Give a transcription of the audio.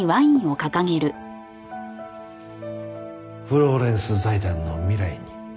フローレンス財団の未来に。